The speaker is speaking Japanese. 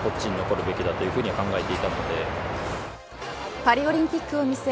パリオリンピックを見据え